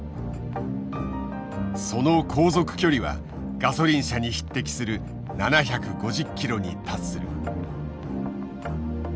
その航続距離はガソリン車に匹敵する７５０ｋｍに達する。